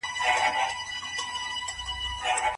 موږ هره ورځ اقتصادي پرېکړې کوو.